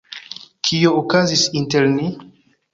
Kio okazis inter ni?